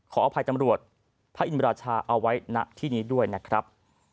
ขออภัยตำรวจพระอินราชาเอาไว้ณที่นี้ด้วยนะครับ